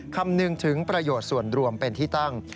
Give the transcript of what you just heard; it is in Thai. คำนึงถึงประโยชน์ส่วนรวมเป็นที่ตั้ง